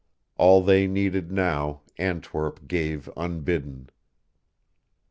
All they needed now Antwerp gave unbidden.